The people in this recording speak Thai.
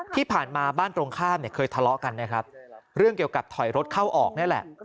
ที่ผ่านมาบ้านตรงข้ามเนี่ยเคยทะเลาะกันนะครับเรื่องเกี่ยวกับถอยรถเข้าออกนี่แหละ